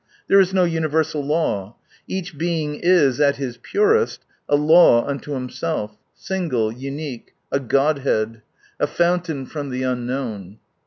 There is no universal law. Each being is, at his purest, a law unto himself, single, unique, a Godhead, a fountain from the unknown.